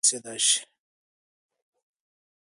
د پوهني په زور انسان خپلي موخې ته رسېدی سي.